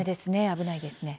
危ないですね。